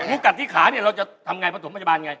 งูกัดที่ขาเราจะทำอย่างไรผสมปัจจุบันอย่างไร